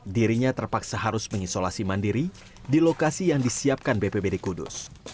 dirinya terpaksa harus mengisolasi mandiri di lokasi yang disiapkan bpbd kudus